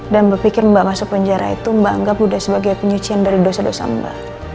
dan berpikir mba masuk penjara itu mba anggap udah sebagai penyucian dari dosa dosa mba